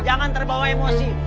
jangan terbawa emosi